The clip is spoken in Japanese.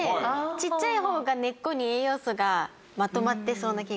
ちっちゃい方が根っこに栄養素がまとまってそうな気がしました。